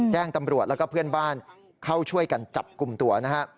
แจ้งตำรวจแล้วก็เพื่อนบ้านเข้าช่วยกันจับกลุ่มตัวนะฮะ